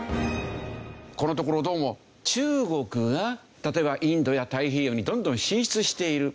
このところどうも中国が例えばインドや太平洋にどんどん進出している。